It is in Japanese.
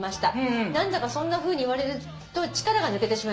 「何だかそんなふうに言われると力が抜けてしまいます」